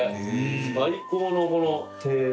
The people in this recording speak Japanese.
最高のこの庭園の景色。